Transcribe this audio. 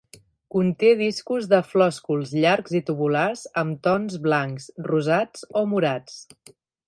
Conté discs de flòsculs llargs i tubulars amb tons blancs, rosats o morats.